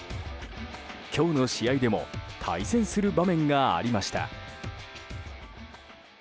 今日の試合でも対戦する場面がありました。